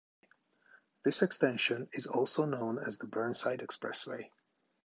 This extension is also known as the Burnside Expressway.